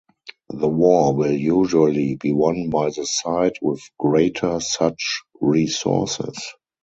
The war will usually be won by the side with greater such resources.